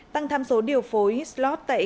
tăng tham số điều phối slot tại